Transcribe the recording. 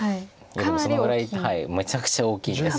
でもそのぐらいめちゃくちゃ大きいんです。